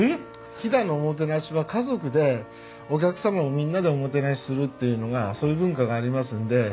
飛騨のおもてなしは家族でお客様をみんなでおもてなしするっていうのがそういう文化がありますんで。